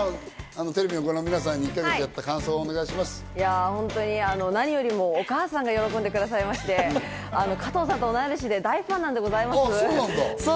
テレビをご覧の皆さんに１か何よりもお母さんが喜んでくださいまして、加藤さんと同い年で大ファンなんでございます。